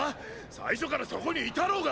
最初からそこにいたろうが！